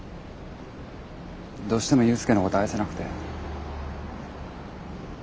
どうしても裕介のこと愛せなくて。